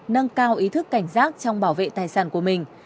nâng cao ý thức cảnh giác trong bảo vệ tài sản của mình